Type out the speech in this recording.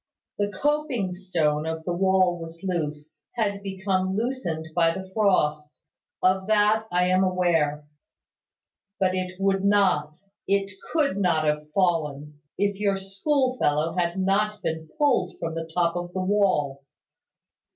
The coping stone of the wall was loose, had become loosened by the frost. Of that I am aware. But it would not, it could not have fallen, if your school fellow had not been pulled from the top of the wall.